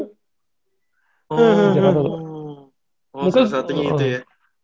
oh salah satunya itu ya